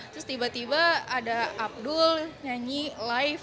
terus tiba tiba ada abdul nyanyi live